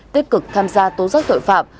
tích cực tham gia tố giác tội phạm